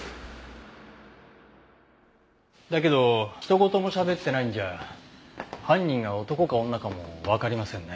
だけどひと言もしゃべってないんじゃ犯人が男か女かもわかりませんね。